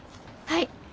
はい。